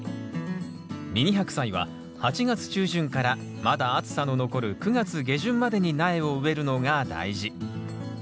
ミニハクサイは８月中旬からまだ暑さの残る９月下旬までに苗を植えるのが大事。